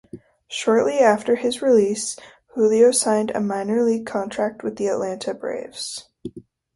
Shortly after his release, Julio signed a minor league contract with the Atlanta Braves.